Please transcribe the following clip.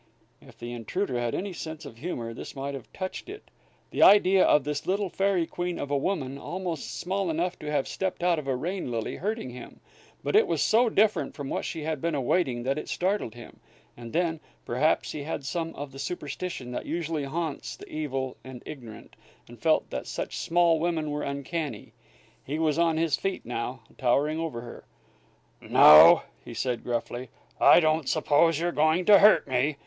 If the intruder had any sense of humor, this might have touched it; the idea of this little fairy queen of a woman, almost small enough to have stepped out of a rain lily, hurting him! But it was so different from what he had been awaiting that it startled him; and then, perhaps, he had some of the superstition that usually haunts the evil and ignorant, and felt that such small women were uncanny. He was on his feet now, towering over her. "No," said he, gruffly; "I don't suppose you're going to hurt me.